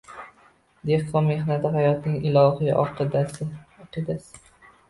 Dehqon mehnati hayotning ilohiy aqidasi